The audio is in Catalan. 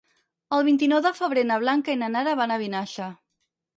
El vint-i-nou de febrer na Blanca i na Nara van a Vinaixa.